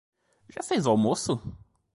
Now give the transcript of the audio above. Já fez o almoço?